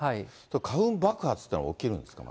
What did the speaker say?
花粉爆発というのが起きるんですか。